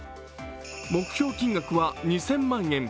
目標金額は２０００万円。